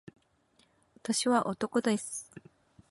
私は男です